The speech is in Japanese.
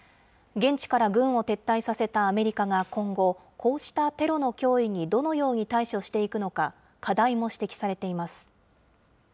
現地から軍を撤退させたアメリカが今後、こうしたテロの脅威にどのように対処していくのか、課題も指摘されています。